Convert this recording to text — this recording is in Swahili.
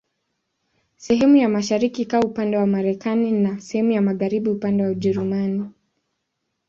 Sehemu ya mashariki ikawa upande wa Marekani na sehemu ya magharibi upande wa Ujerumani.